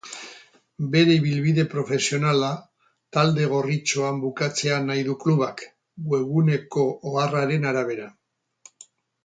Bere ibilbide profesionala talde gorritxoan bukatzea nahi du klubak, webguneko oharraren arabera.